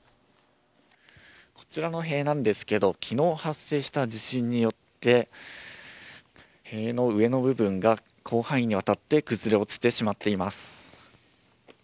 こちらの塀なんですけど昨日、発生した地震によって塀の上の部分が広範囲にわたって崩れ落ちてしまっています。